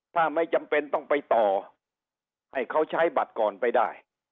ถ้าไม่จำเป็นต้องไปต่อให้เขาใช้บัตรก่อนไปได้